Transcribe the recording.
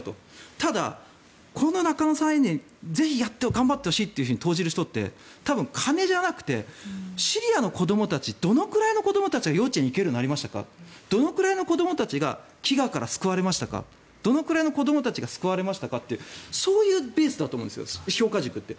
ただ、中野さんのようにぜひ頑張ってほしいと投じる人って多分、金じゃなくてシリアの子どもたちどのくらいの子どもたちが幼稚園に行けるようになりましたかどのぐらいの子どもたちが飢餓から救われましたかどのくらいの子どもが救われましたかってそういうベースだと思うんです評価軸って。